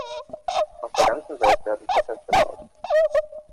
Aus der ganzen Welt werden Proteste laut.